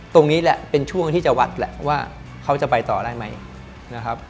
ตรงนี้แหละเป็นช่วงที่จะวัดแหละว่าเขาจะไปต่อได้ไหมนะครับ